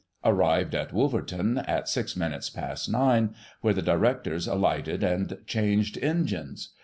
Arrived at Wolverton at 6 jminutes past 9, where the directors alighted and changed engines.